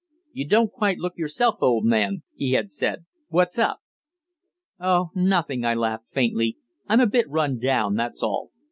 "You don't look quite yourself, old man," he had said. "What's up?" "Oh, nothing," I laughed faintly. "I'm a bit run down, that's all.